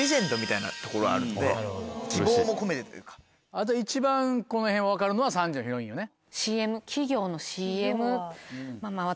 あと一番この辺分かるのは３時のヒロインよね。